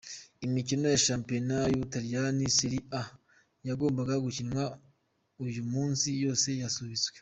Imikino ya shampiyona y’Ubutaliyani Serie A yagombaga gukinwa uyu munsi yose yasubitswe .